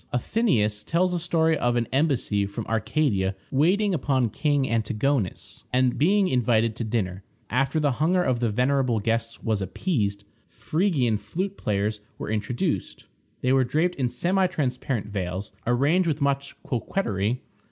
Athenæus tells a story of an embassy from Arcadia waiting upon King Antigonus, and being invited to dinner. After the hunger of the venerable guests was appeased, Phrygian flute players were introduced. They were draped in semi transparent veils, arranged with much coquetry.